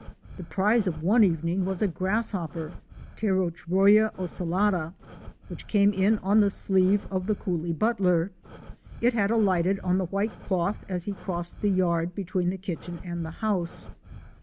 The prize of one evening was a grasshopper (Plerochroya ocellata) which came in on the sleeve of the coolie butler. It had alighted on the white cloth as he crossed the yard between the kitchen and the house.